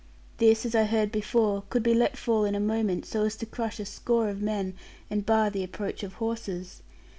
This, as I heard before, could be let fall in a moment, so as to crush a score of men, and bar the approach of horses.